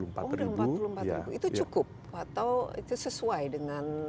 umur empat puluh empat itu cukup atau itu sesuai dengan